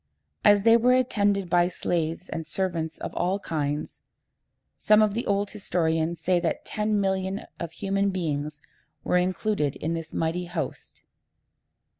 As they were attended by slaves and servants of all kinds, some of the old historians say that ten millions of human beings were included in this mighty host.